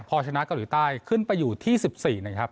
พอชนะเกาหลีใต้ขึ้นไปอยู่ที่๑๔นะครับ